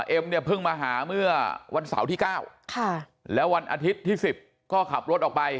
เนี่ยเพิ่งมาหาเมื่อวันเสาร์ที่๙แล้ววันอาทิตย์ที่๑๐ก็ขับรถออกไป